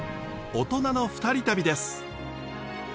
大人の２人旅です。